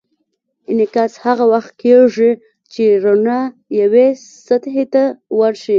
انعکاس هغه وخت کېږي چې رڼا یوې سطحې ته ورشي.